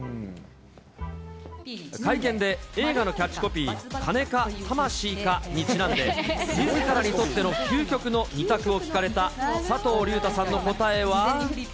会見で、映画のキャッチコピー、金か、魂か。にちなんで、みずからにとっての究極の２択を聞かれた佐藤隆太さんの答えは。